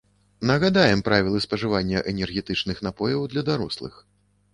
Нагадаем правілы спажывання энергетычных напояў для дарослых.